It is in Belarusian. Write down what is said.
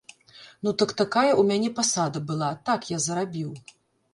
Ну так такая ў мяне пасада была, так я зарабіў.